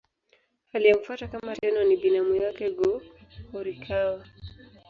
Aliyemfuata kama Tenno ni binamu yake Go-Horikawa.